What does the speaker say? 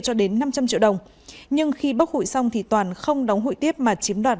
cho đến năm trăm linh triệu đồng nhưng khi bốc hủy xong thì toàn không đóng hụi tiếp mà chiếm đoạt